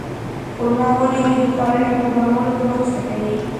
خورما ونې د خواړو په برابرولو کې مرسته کوي.